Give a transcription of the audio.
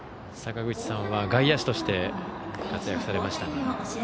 坂口さんは外野手として活躍されました。